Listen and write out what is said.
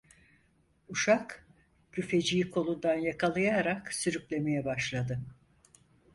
Uşak, küfeciyi kolundan yakalayarak sürüklemeye başladı.